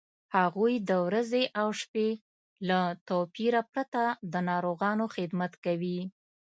هغوی د ورځې او شپې له توپیره پرته د ناروغانو خدمت کوي.